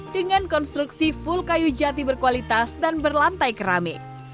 dengan konstruksi full kayu jati berkualitas dan berlantai keramik